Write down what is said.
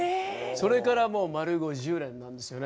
それからもう丸５０年なんですよね。